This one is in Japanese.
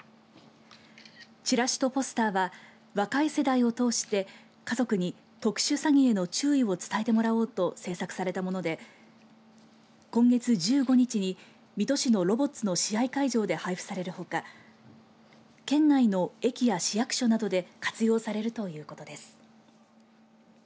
チラシとポスターは若い世代を通して家族に特殊詐欺への注意を伝えてもらおうと制作されたもので今月１５日に水戸市のロボッツの試合会場で配布されるほか県内の駅や市役所などで活用されるということです。